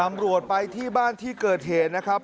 ตำรวจไปที่บ้านที่เกิดเหตุนะครับ